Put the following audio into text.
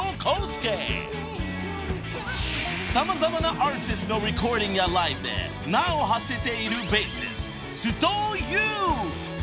［様々なアーティストのレコーディングやライブで名をはせているベーシスト］